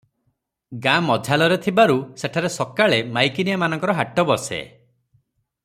ଗାଁ ମଝାଲରେ ଥିବାରୁ ସେଠାରେ ସକାଳେ ମାଈକିନିଆ ମାନଙ୍କର ହାଟ ବସେ ।